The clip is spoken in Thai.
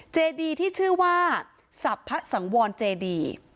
เจดีที่ชื่อว่าสรรพสังวรเจดี